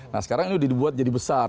nah sekarang ini dibuat jadi besar